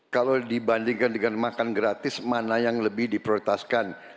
kalau dibandingkan dengan makan gratis mana yang lebih diprotaskan